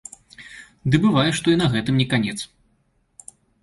Ды бывае, што і на гэтым не канец.